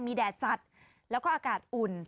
มีแดดจัดแล้วก็อากาศอุ่น